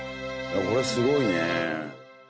これはすごいね。